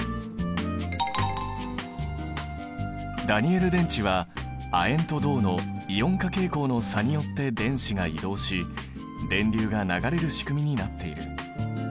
ダニエル電池は亜鉛と銅のイオン化傾向の差によって電子が移動し電流が流れるしくみになっている。